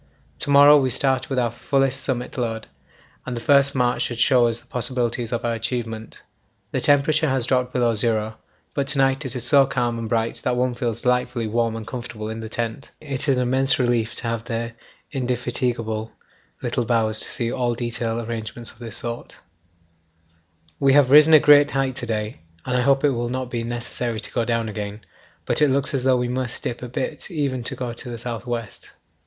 To morrow we start with our fullest summit load, and the first march should show us the possibilities of our achievement. The temperature has dropped below zero, but to night it is so calm and bright that one feels delightfully warm and comfortable in the tent. Such weather helps greatly in all the sorting arrangements, &c., which are going on to night. For me it is an immense relief to have the indefatigable little Bowers to see to all detail arrangements of this sort. We have risen a great height to day and I hope it will not be necessary to go down again, but it looks as though we must dip a bit even to go to the south west.